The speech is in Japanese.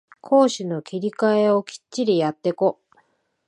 攻守の切り替えをきっちりやってこ